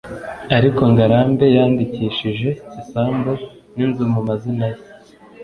ariko ngarambe yandikishije isambu n’inzu mu mazina ye.